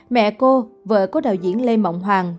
mẹ cô vợ cố đạo diễn lê mộng hoàng